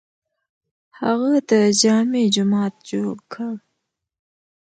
هغه د جامع جومات جوړ کړ.